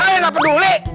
saya gak peduli